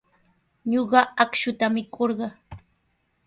Ñuqa akshuta mikurqaa.